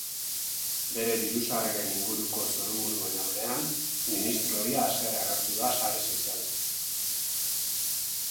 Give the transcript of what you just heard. Bere dirusarreren inguruko zurrumurruen aurrean, ministro ohia haserre agertu da sare sozialetan.